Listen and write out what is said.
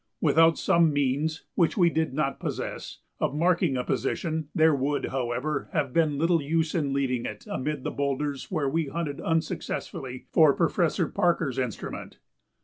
Without some means, which we did not possess, of marking a position, there would, however, have been little use in leaving it amid the boulders where we hunted unsuccessfully for Professor Parker's instrument.